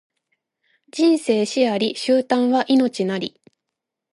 人生死あり、終端は命なり